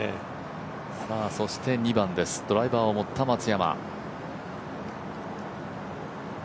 ２番です、ドライバーを持った松山。